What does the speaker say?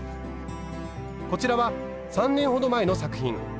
こちらは３年ほど前の作品。